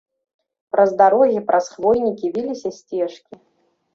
Праз дарогі, праз хвойнікі віліся сцежкі.